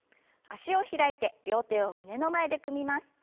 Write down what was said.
脚を開いて両手を胸の前で組みます。